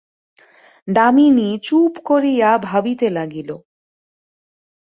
দামিনী চুপ করিয়া ভাবিতে লাগিল।